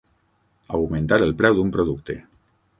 Augmentar el preu d'un producte.